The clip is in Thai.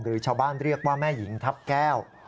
ชาวบ้านเรียกว่าแม่หญิงทัพแก้ว